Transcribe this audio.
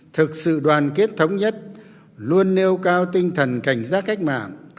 thực sự đoàn kết thống nhất luôn nêu cao tinh thần cảnh giác cách mạng